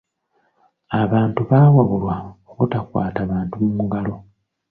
Abantu baawabulwa obutakwata bantu mu ngalo.